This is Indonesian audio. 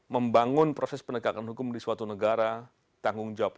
membangun proses penegakan hukum di suatu negara